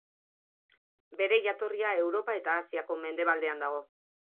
Bere jatorria Europa eta Asiako mendebaldean dago.